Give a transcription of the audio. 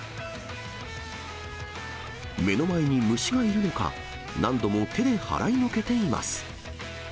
目の前に虫がいるのか、何度も手で払いのけています。